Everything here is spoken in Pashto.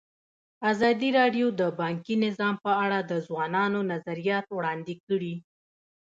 ازادي راډیو د بانکي نظام په اړه د ځوانانو نظریات وړاندې کړي.